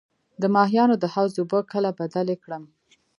د ماهیانو د حوض اوبه کله بدلې کړم؟